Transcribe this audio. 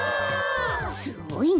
すごいね。